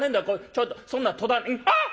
ちょっとそんな戸棚あっ！」。